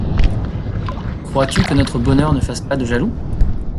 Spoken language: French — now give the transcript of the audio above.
Crois-tu que notre bonheur ne fasse pas de jaloux ?